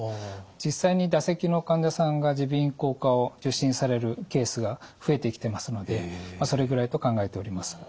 実際に唾石の患者さんが耳鼻咽喉科を受診されるケースが増えてきてますのでそれぐらいと考えております。